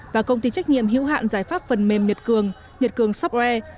và công ty trách nhiệm hữu hạn giải pháp phần mềm nhật cường nhật cường supre